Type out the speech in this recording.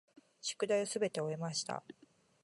宿題をすべて終えました。